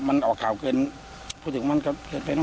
มันออกข่าวเกินพูดถึงมันก็เกินไป